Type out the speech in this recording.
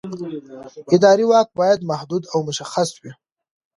اداري واک باید محدود او مشخص وي.